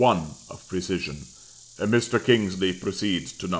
1 of precision. Mr. Kingsley proceeds to No.